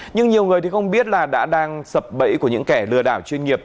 nhưng nhiều người thì không biết là đã đang sập bẫy của những kẻ lừa đảo chuyên nghiệp